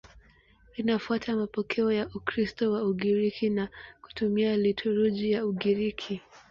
Linafuata mapokeo ya Ukristo wa Ugiriki na kutumia liturujia ya Ugiriki.